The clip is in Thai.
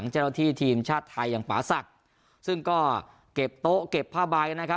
เจ้าหน้าที่ทีมชาติไทยอย่างป่าศักดิ์ซึ่งก็เก็บโต๊ะเก็บผ้าใบนะครับ